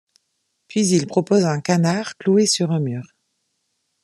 Puis il propose un canard cloué sur un mur.